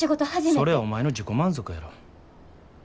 それはお前の自己満足やろ。